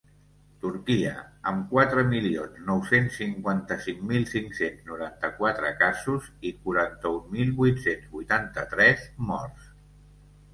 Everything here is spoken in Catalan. Turquia, amb quatre milions nou-cents cinquanta-cinc mil cinc-cents noranta-quatre casos i quaranta-un mil vuit-cents vuitanta-tres morts.